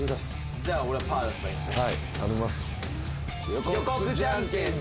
じゃあ俺グー出せばいいんすね。